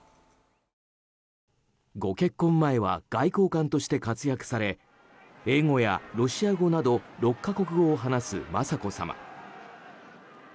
ご結婚前は外交官として活躍され英語やロシア語など６か国語を話す雅子さま。